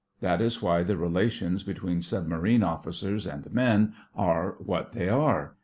That is why the relations between submarine officers and men are what they are.